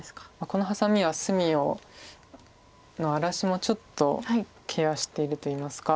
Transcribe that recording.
このハサミは隅の荒らしもちょっとケアしてるといいますか。